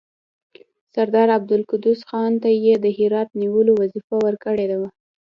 سردار عبدالقدوس خان ته یې د هرات نیولو وظیفه ورکړې وه.